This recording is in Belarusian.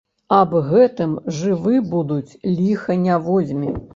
Аб гэтым жывы будуць, ліха не возьме.